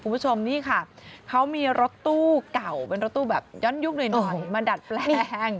คุณผู้ชมนี่ค่ะเขามีรถตู้เก่าเป็นรถตู้แบบย้อนยุคหน่อยมาดัดแปลง